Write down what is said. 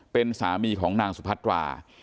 เป็นสามีของนางสุพัตรา